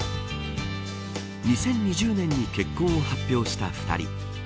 ２０２０年に結婚を発表した２人。